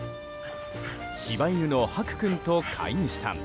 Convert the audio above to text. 柴犬の白君と飼い主さん